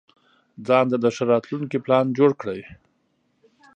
ځانته د ښه راتلونکي پلان جوړ کړئ.